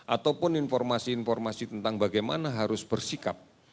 ataupun informasi informasi tentang bagaimana harus bersikap